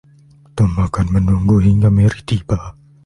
Tom akan menunggu hingga Mary tiba.